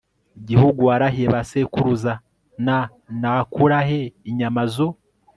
gihugu warahiye ba sekuruza n Nakura he inyama zo